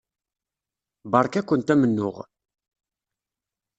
Beṛka-kent amennuɣ.